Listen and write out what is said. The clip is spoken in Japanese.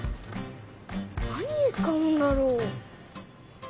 何に使うんだろ？